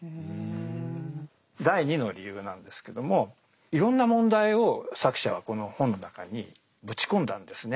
第２の理由なんですけどもいろんな問題を作者はこの本の中にぶち込んだんですね。